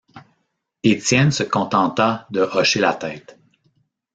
Étienne se contenta de hocher la tête.